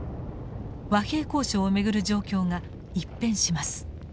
和平交渉を巡る状況が一変します。